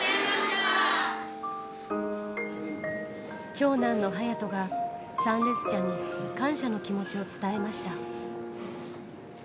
長男の颯人が、参列者に感謝の気持ちを伝えました。